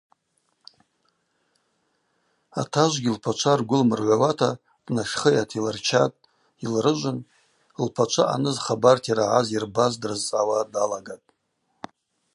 Атажвгьи лпачва ргвы лмыргӏвауата днашхыйата йлырчатӏ, йылрыжвын, лпачва ъаныз хабарта йрагӏаз-йырбаз дрызцӏгӏауа далагатӏ.